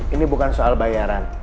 ini bukan soal bayaran